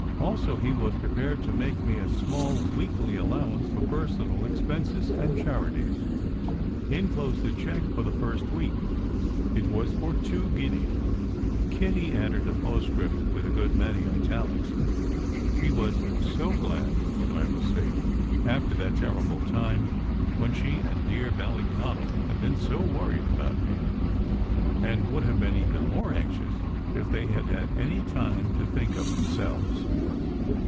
Also, he was prepared to make me a small weekly allowance for personal expenses and charities. He enclosed a cheque for the first week. It was for two guineas. Kitty added a postscript with a good many italics. She was so glad that I was safe after that terrible time when she and dear Ballyconal had been so worried about me, and would have been even more anxious if they had had any time to think of themselves.